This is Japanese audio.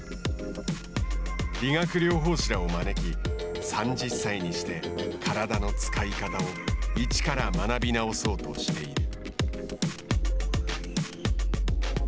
理学療法士らを招き３０歳にして体の使い方を一から学び直そうとしている。